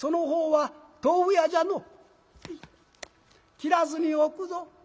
「きらずにおくぞ」。